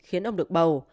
khiến ông được bầu